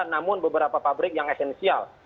namun beberapa pabrik yang esensial